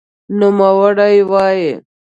نوموړی وایي،